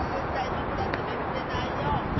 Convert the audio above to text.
ぼくだってめくれないよ。